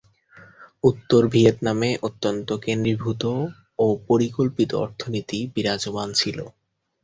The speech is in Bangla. উত্তর ভিয়েতনামে অত্যন্ত কেন্দ্রীভূত ও পরিকল্পিত অর্থনীতি বিরাজমান ছিল।